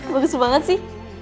bagus banget sih